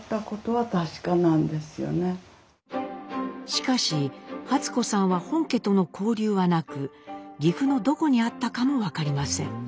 しかし初子さんは本家との交流はなく岐阜のどこにあったかも分かりません。